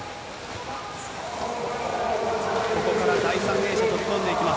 ここから第３泳者、飛び込んでいきます。